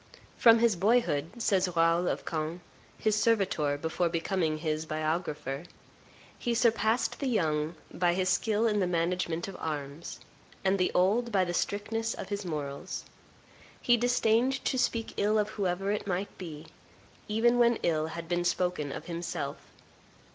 "From his boyhood," says Raoul of Caen, his servitor before becoming his biographer, "he surpassed the young by his skill in the management of arms, and the old by the strictness of his morals. He disdained to speak ill of whoever it might be, even when ill had been spoken of himself.